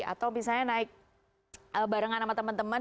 atau misalnya naik barengan sama teman teman